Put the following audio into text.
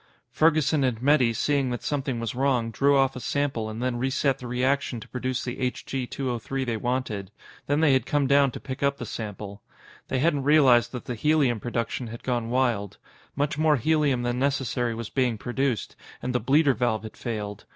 Ferguson and Metty, seeing that something was wrong, drew off a sample and then reset the reaction to produce the Hg 203 they wanted. Then they had come down to pick up the sample. They hadn't realized that the helium production had gone wild. Much more helium than necessary was being produced, and the bleeder valve had failed.